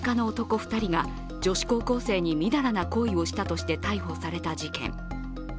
２人が女子高校生にみだらな行為をしたとして逮捕された事件。